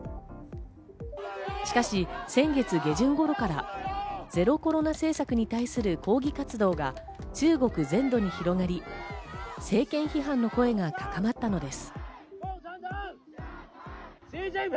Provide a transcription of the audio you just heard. しかし、先月下旬頃からゼロコロナ政策に対する抗議活動が中国全土に広がり、政権批判の声が高まったのです。